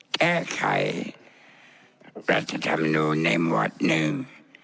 แก้ไขรัฐธรรมนูลในหมวดหนึ่ง